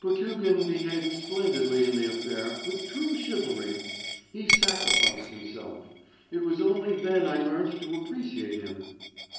Potugin behaved splendidly in the affair, with true chivalry. He sacrificed himself. It was only then I learnt to appreciate him!